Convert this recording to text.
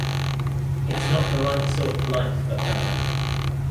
It’s not the right sort of life for her.